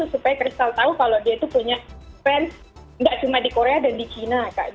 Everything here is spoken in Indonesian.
supaya crystal tau kalau dia itu punya fans gak cuma di korea dan di china kak